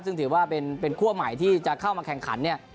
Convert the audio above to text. ซึ่งถือว่าเป็นคั่วใหม่ที่จะเข้ามาแข่งขันเนี่ย